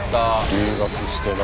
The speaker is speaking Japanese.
留学してな。